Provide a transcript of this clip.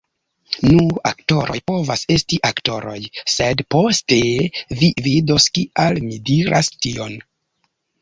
Nur aktoroj povas esti aktoroj. sed poste, vi vidos kial mi diras tion.